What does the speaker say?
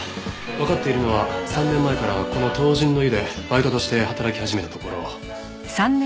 わかっているのは３年前からこの灯神の湯でバイトとして働き始めたところ。